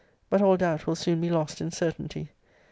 But all doubt will soon be lost in certainty.